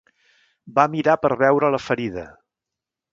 Va mirar per veure la ferida.